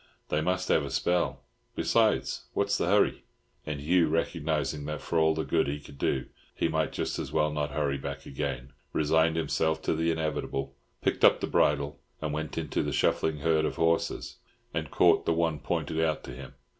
They must have a spell. Besides, what's the hurry?" And Hugh, recognising that for all the good he could do he might just as well not hurry back again, resigned himself to the inevitable, picked up his bridle, went into the shuffling herd of horses, and caught the one pointed out to him.